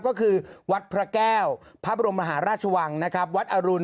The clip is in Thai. ก็คือวัดพระแก้วพระบรมมหาราชวังนะครับวัดอรุณ